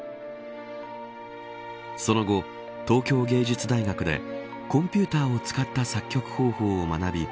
その後、東京芸術大学でコンピューターを使った作曲方法を学び